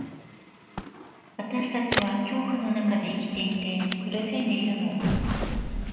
私たちは恐怖の中で生きていて、苦しんでいるの。